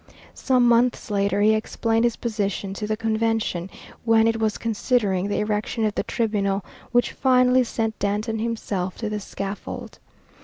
Some months later he explained his position to the Convention when it was considering the erection of the tribunal which finally sent Danton himself to the scaffold.